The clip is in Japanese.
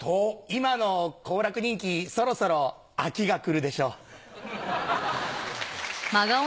今の好楽人気そろそろアキが来るでしょう。